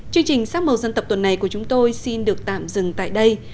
chương trình sắc màu dân tộc tuần này của chúng tôi xin được tạm dừng tại đây